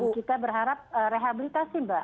kita berharap rehabilitasi mbak